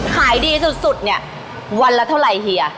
ขายดีสุดเนี่ยวันละเท่าไรเฮีย